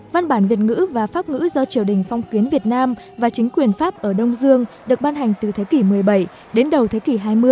văn bản việt ngữ và pháp ngữ do triều đình phong kiến việt nam và chính quyền pháp ở đông dương được ban hành từ thế kỷ một mươi bảy đến đầu thế kỷ hai mươi